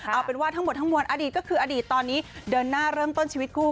เอาเป็นว่าทั้งหมดทั้งมวลอดีตก็คืออดีตตอนนี้เดินหน้าเริ่มต้นชีวิตคู่